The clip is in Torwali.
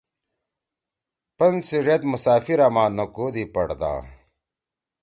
پن سی ڙید مسافرا ما نہ کودی پڑدا